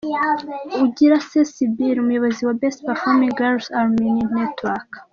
Ugirase Sibylle; umuyobozi wa “Best Performing Girls alumni network”.